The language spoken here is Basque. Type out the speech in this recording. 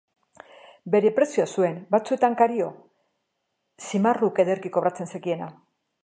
Bere prezioa zuen, batzuetan kario, Ximurrak ederki kobratzen zekiena.